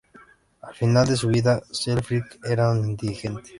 Al final de su vida, Selfridge era un indigente.